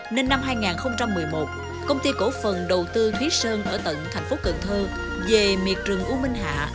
nên năm hai nghìn một mươi một công ty cổ phần đầu tư mỹ sơn ở tận thành phố cần thơ về miệt rừng u minh hạ